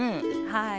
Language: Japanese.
はい。